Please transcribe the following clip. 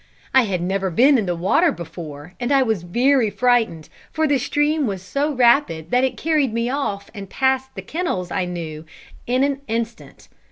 I had never been in the water before, and I was very frightened, for the stream was so rapid that it carried me off and past the kennels I knew, in an instant.